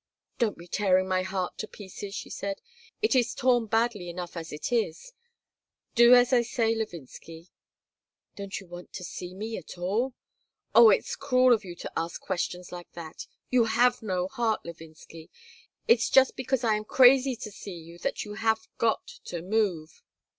"Don't be tearing my heart to pieces," she said. "It is torn badly enough as it is. Do as I say, Levinsky." "Don't you want to see me at all?" "Oh, it's cruel of you to ask questions like that. You have no heart, Levinsky. It's just because I am crazy to see you that you have got to move."